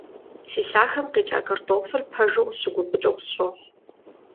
Си лъахэм къикӏа кӏэртӏофыр, пэжу, къысщыгуфӏыкӏыу къысщохъу.